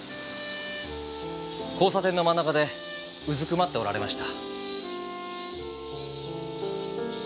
交差点の真ん中でうずくまっておられました。